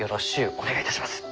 お願いいたします。